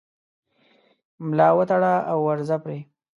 ملا وتړه او ورځه پرې